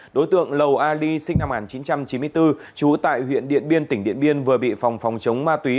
đối tượng lầu ali sinh năm một nghìn chín trăm chín mươi bốn trú tại huyện điện biên tỉnh điện biên vừa bị phòng phòng chống ma túy